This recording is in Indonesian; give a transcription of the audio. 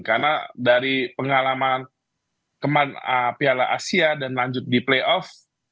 karena dari pengalaman kemanapiala asia dan lanjut di playoff